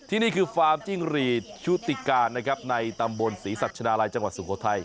นี่คือฟาร์มจิ้งรีดชุติการนะครับในตำบลศรีสัชนาลัยจังหวัดสุโขทัย